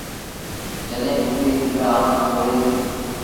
جڏهيݩ ڪڪڙيٚ پنڊرآ آنآ ڦوڙي دي۔